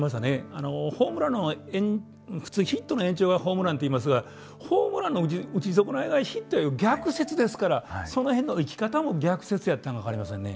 あの普通ヒットの延長はホームランっていいますがホームランの打ち損ないがヒットいう逆説ですからその辺の生き方も逆説やったんか分かりませんね。